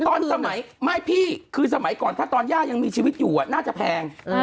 สมัยไม่พี่คือสมัยก่อนถ้าตอนย่ายังมีชีวิตอยู่น่าจะแพง